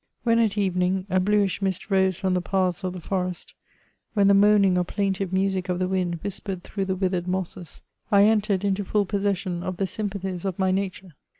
When, at evening, a blueish mist rose from the paths of the forest, when the moaning or plaintive music of the wind whispered through the withered mosses, I entered into full possession of the sympathies of my nature.